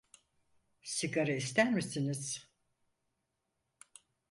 Sigara ister misiniz?